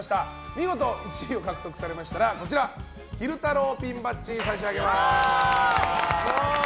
見事１位を獲得されましたら昼太郎ピンバッジを差し上げます。